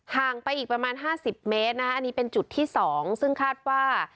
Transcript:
ห่างไปอีกประมาณ๕๐เมตรนะคะอันนี้เป็นจุดที่๒ซึ่งคาดว่า